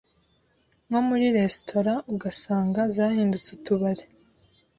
nko muri restaurants ugasanga zahindutse utubari